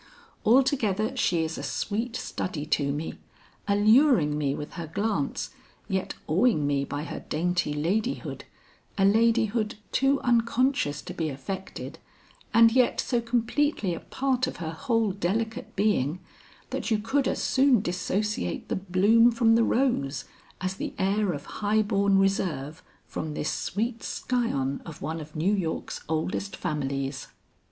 Altogether she is a sweet study to me, alluring me with her glance yet awing me by her dainty ladyhood, a ladyhood too unconscious to be affected and yet so completely a part of her whole delicate being, that you could as soon dissociate the bloom from the rose, as the air of highborn reserve, from this sweet scion of one of New York's oldest families.